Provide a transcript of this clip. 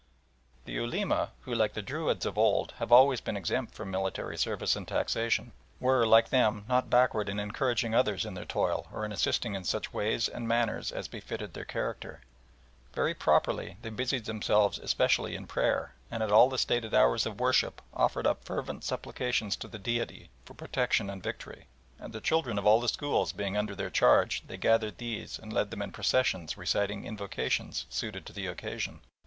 The Ulema, who, like the Druids of old, have always been exempt from military service and taxation, were like them, not backward in encouraging others in their toil or in assisting in such ways and manners as befitted their character. Very properly they busied themselves especially in prayer, and at all the stated hours of worship offered up fervent supplications to the Deity for protection and victory, and, the children of all the schools being under their charge, they gathered these and led them in processions reciting invocations suited to the occasion.